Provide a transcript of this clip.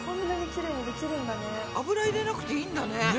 油入れなくていいんだね。ね。